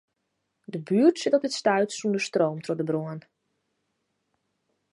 De buert sit op dit stuit sûnder stroom troch de brân.